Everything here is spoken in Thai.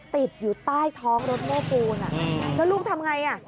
ติดอยู่ใต้ท้องรถโม้ปูนแล้วลูกทำไงอ่ะ